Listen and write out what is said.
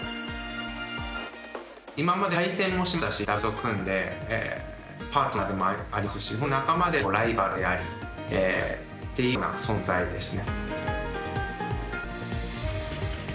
今まで対戦もしましたしダブルスを組んでパートナーでもありますしほんとに、仲間でありライバルでありっていうような存在ですしね。